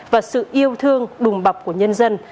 và sự yêu thương đùng bọc của nhân dân